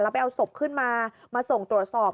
ไปเอาศพขึ้นมามาส่งตรวจสอบ